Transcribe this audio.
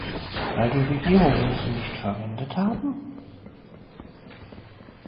Weil die Regierungen sie nicht verwendet haben?